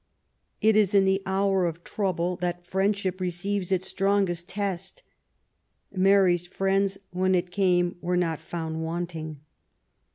It is in the hour of trouble that friendship receives its strongest test. Mary's friends, when it came, were not found wanting.